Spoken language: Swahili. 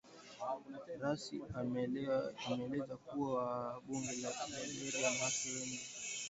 Harris ameeleza kuwa Bunge la Liberia wanawake wana viti kumi na moja kati ya mia na tatu katika Baraza